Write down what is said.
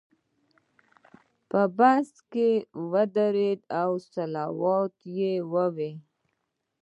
په بس کې درود او صلوات وایه.